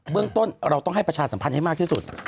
เรื่องต้นเราต้องให้ประชาสัมพันธ์ให้มากที่สุด